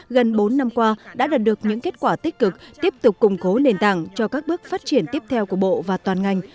gần bốn năm qua đã đạt được những kết quả tích cực tiếp tục củng cố nền tảng cho các bước phát triển tiếp theo của bộ và toàn ngành